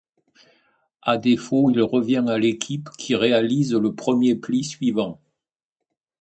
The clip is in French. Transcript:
À défaut, il revient à l'équipe qui réalise le premier pli suivant.